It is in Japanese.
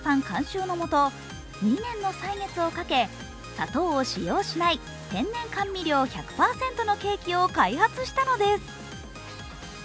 監修のもと２年の歳月をかけ砂糖を使用しない天然甘味料１００％のケーキを開発したのです。